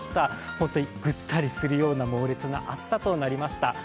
本当にぐったりするような猛烈な暑さとなりました。